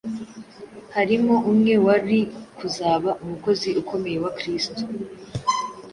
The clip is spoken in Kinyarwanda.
harimo umwe wari kuzaba umukozi ukomeye wa Kristo